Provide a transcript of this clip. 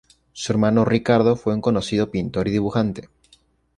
Su hermano Ricardo fue un conocido pintor y dibujante.